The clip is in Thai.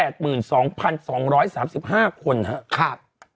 คือ๓๐กว่าแพน